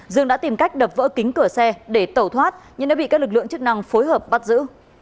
dương đã tìm cách đập vỡ kính cửa xe để tẩu thoát nhưng đã bị các lực lượng chức năng phối hợp bắt giữ